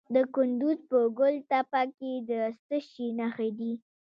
د کندز په ګل تپه کې د څه شي نښې دي؟